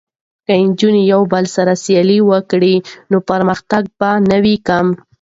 که نجونې یو بل سره سیالي وکړي نو پرمختګ به نه وي کم.